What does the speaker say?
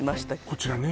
こちらね